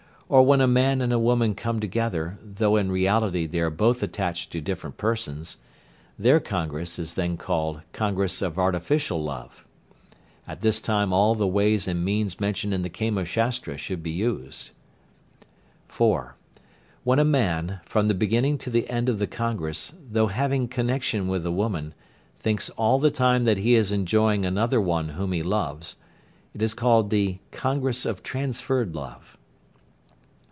or when a man and a woman come together, though in reality they are both attached to different persons, their congress is then called "congress of artificial love." At this time all the ways and means mentioned in the Kama Shastra should be used. (4). When a man, from the beginning to the end of the congress, though having connection with the women, thinks all the time that he is enjoying another one whom he loves, it is called the "congress of transferred love."